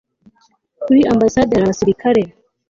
kuri ambasade hari abasirikare